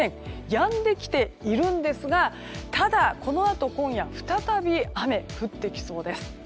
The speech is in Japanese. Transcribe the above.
やんできているんですがただ、このあと今夜再び雨、降ってきそうです。